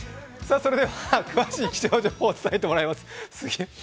それでは詳しい気象情報を伝えてもらいます。